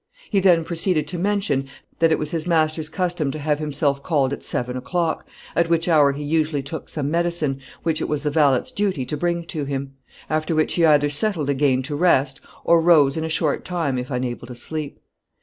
He then proceeded to mention, that it was his master's custom to have himself called at seven o'clock, at which hour he usually took some medicine, which it was the valet's duty to bring to him; after which he either settled again to rest, or rose in a short time, if unable to sleep.